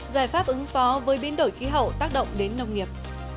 giải pháp ứng phó với biến đổi khí hậu tác động đến nông nghiệp